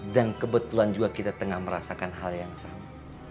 dan kebetulan juga kita tengah merasakan hal yang sama